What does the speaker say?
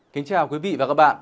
kính chào quý vị và các bạn